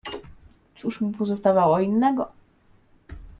"Cóż mu pozostawało innego?"